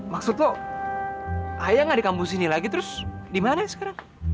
maksud lo ayah gak di kampus ini lagi terus dimana sekarang